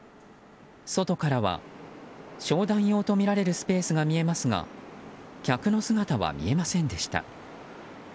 外からは商談用とみられるスペースが見えますが客の姿は見えませんでした。